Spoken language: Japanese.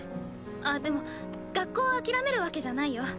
あっでも学校諦めるわけじゃないよ。